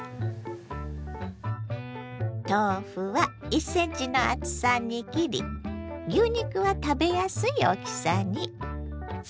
豆腐は１ｃｍの厚さに切り牛肉は食べやすい大きさに。